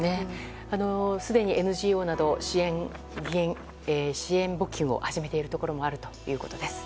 すでにＮＧＯなど支援募金を始めているところもあるということです。